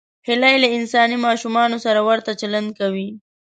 هیلۍ له انساني ماشومانو سره ورته چلند کوي